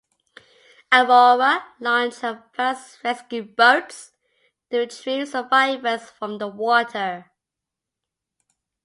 "Aurora" launched her fast rescue boats to retrieve survivors from the water.